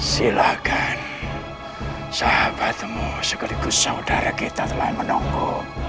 silakan sahabatmu sekaligus saudara kita telah menunggu